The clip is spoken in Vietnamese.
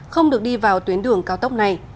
không được đi vào tuyến đường cao tốc này